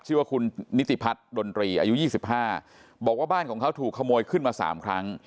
ชื่อว่าคุณนิติพัฒน์ดนตรีอายุ๒๕บอกว่าบ้านของเขาถูกขโมยขึ้นมา๓ครั้ง